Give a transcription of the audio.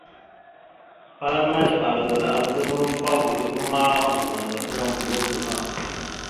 Afalaŋa aslaɓal a zal mulofa o voto ava ma, oŋgov mazafaŋa mbolo gaŋa.